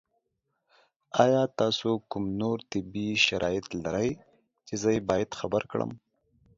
ایا تاسو کوم نور طبي شرایط لرئ چې زه یې باید خبر کړم؟